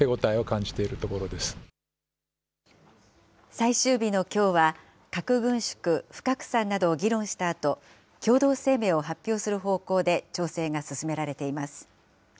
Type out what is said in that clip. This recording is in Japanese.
最終日のきょうは、核軍縮・不拡散などを議論したあと、共同声明を発表する方向で調整が進められています。